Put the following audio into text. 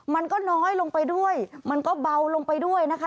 มันก็น้อยลงไปด้วยมันก็เบาลงไปด้วยนะคะ